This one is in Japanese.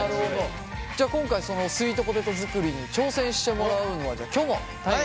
じゃ今回そのスイートポテト作りに挑戦してもらうのはじゃきょも大我。